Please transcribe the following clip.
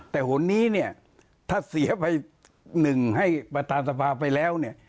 แต่หนนี้เนี่ยถ้าเสียไปหนึ่งให้ประธานสภาไปแล้วเนี่ย